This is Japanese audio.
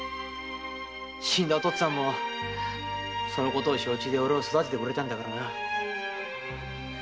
死んだお父っつぁんも承知で俺を育ててくれたんだからな。